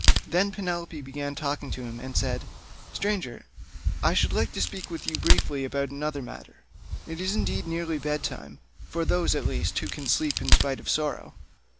Then Penelope began talking to him and said: "Stranger, I should like to speak with you briefly about another matter. It is indeed nearly bed time—for those, at least, who can sleep in spite of sorrow.